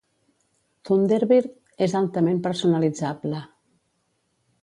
Thunderbird és altament personalitzable.